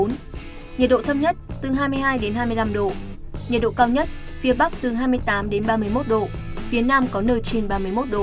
nhiệt độ thấp nhất từ hai mươi hai hai mươi năm độ nhiệt độ cao nhất phía bắc từ hai mươi tám ba mươi một độ phía nam có nơi trên ba mươi một độ